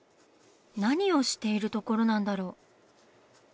何をしているところなんだろう？